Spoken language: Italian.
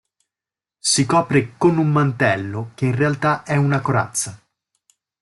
Si copre con un mantello che in realtà è una corazza.